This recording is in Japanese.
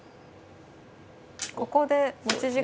ここで持ち時間が。